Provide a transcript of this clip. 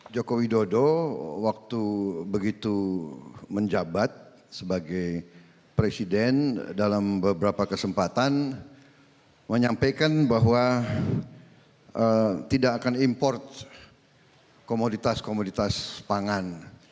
joko widodo waktu begitu menjabat sebagai presiden dalam beberapa kesempatan menyampaikan bahwa tidak akan import komoditas komoditas pangan